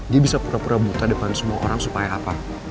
dia bisa pura pura buta depan semua orang supaya apa